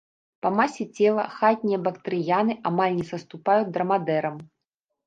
Па масе цела хатнія бактрыяны амаль не саступаюць драмадэрам.